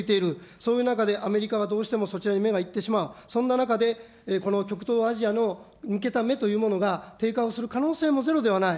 そういう中で、アメリカがどうしてもそちらに目がいってしまう、そんな中で、この極東アジアに向けた目というものが、低下をする可能性もゼロではない。